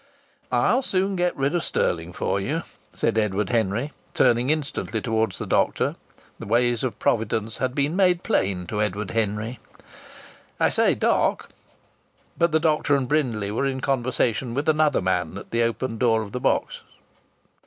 "I'll soon get rid of Stirling for you," said Edward Henry, turning instantly towards the doctor. The ways of Providence had been made plain to Edward Henry. "I say, doc!" But the doctor and Brindley were in conversation with another man at the open door of the box.